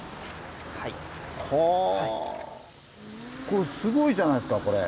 これすごいじゃないですかこれ。